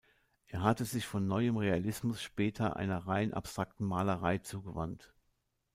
Er hatte sich vom neuen Realismus später einer rein abstrakten Malerei zugewandt.